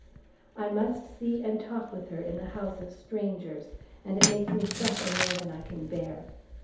I must see and talk with her in the house of strangers, and it makes me suffer more than I can bear!